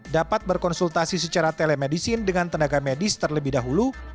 dapat berkonsultasi secara telemedicine dengan tenaga medis terlebih dahulu